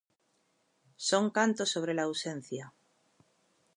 Son cantos sobre la ausencia.